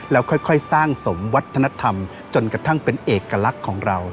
แล้วค่อยสร้างสมวัฒนธรรมจนกระทั่งเป็นเอกลักษณ์ของเรา